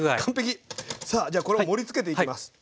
さあじゃあこれを盛りつけていきます。